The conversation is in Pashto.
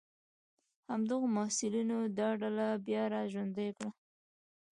همدغو محصلینو دا ډله بیا را ژوندۍ کړه.